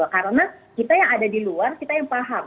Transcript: karena kita yang ada di luar kita yang paham